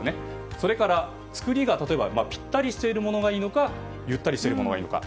それから作りがぴったりしているものがいいのかゆったりしているものがいいのか。